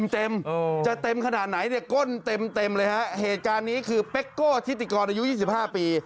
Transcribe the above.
เต็มจะเต็มขนาดไหนเนี่ยก้นเต็มเลยฮะเหตุการณ์นี้คือเป๊กโก้ทิติกรอายุ๒๕ปี